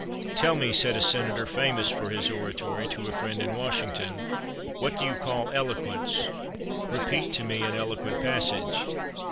"Tell me," said a Senator famous for his oratory, to a friend in Washington, "what do you call eloquence? Repeat to me an eloquent passage."